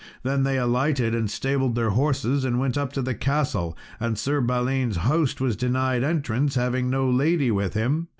Then they alighted and stabled their horses, and went up to the castle, and Sir Balin's host was denied entrance, having no lady with him.